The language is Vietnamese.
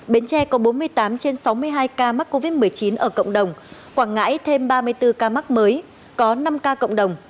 bến tre có bốn mươi tám trên sáu mươi hai ca mắc covid một mươi chín ở cộng đồng quảng ngãi thêm ba mươi bốn ca mắc mới có năm ca cộng đồng